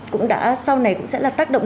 cũng đã sau này cũng sẽ là tác động